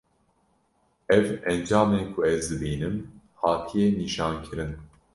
ev encamên ku ez dibînim hatiye nîşankirin;